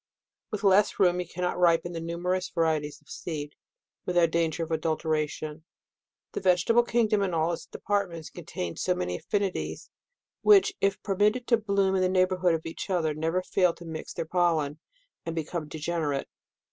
With less room, you cannot ripen the numerous varieties of seed, without danger of adulteration. The vegetable king dom in all its departments, contains so many affinities, which, if permitted to bloom in the neighbourhood of each other, never fail to mix their pollen, and become degenerate.